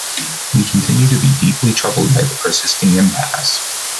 We continue to be deeply troubled by the persisting impasse.